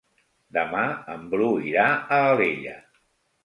Demà en Bru irà a Alella.